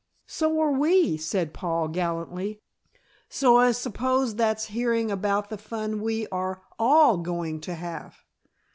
"So are we," said Paul gallantly, "so I suppose that's hearing about the fun we are all going to have."